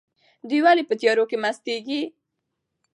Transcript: دوی ولې په تیارو کې مستیږي؟